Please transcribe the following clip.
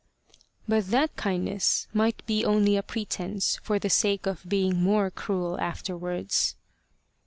"But that kindness might be only a pretence for the sake of being more cruel afterwards."